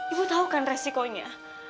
ibu tau kan resikonya